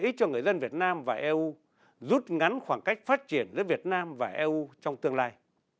hiệp định thương mại tự do việt nam eu sẽ mang tính tương hỗ bổ sung cho người dân việt nam và eu giúp ngắn khoảng cách phát triển giữa việt nam và eu trong tương lai